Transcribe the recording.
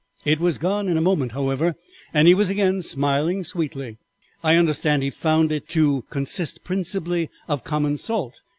It was gone in a moment, however, and he was again smiling sweetly. "'I understand he found it to consist principally of common salt.'